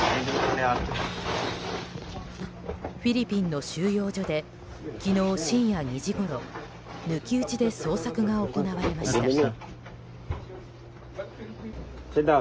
フィリピンの収容所で昨日深夜２時ごろ抜き打ちで捜索が行われました。